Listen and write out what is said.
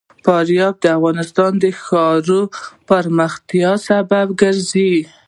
فاریاب د افغانستان د ښاري پراختیا سبب کېږي.